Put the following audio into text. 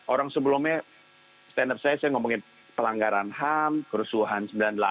orang sebelumnya standar saya saya ngomongin pelanggaran ham kerusuhan sembilan puluh delapan